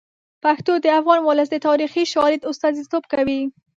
پښتو د افغان ولس د تاریخي شالید استازیتوب کوي.